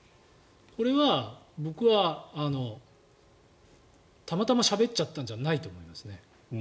これは僕はたまたましゃべっちゃったんじゃないと思います。